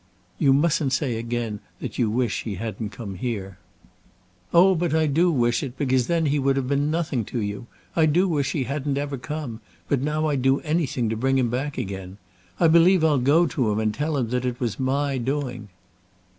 "You mustn't say again that you wish he hadn't come here." "Oh! but I do wish it, because then he would have been nothing to you. I do wish he hadn't ever come, but now I'd do anything to bring him back again. I believe I'll go to him and tell him that it was my doing."